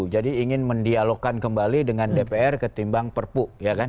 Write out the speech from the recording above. jadi ingin mendialogkan kembali dengan dpr ketimbang perpu